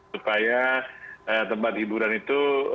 supaya tempat hiburan itu